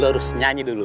lo harus nyanyi dulu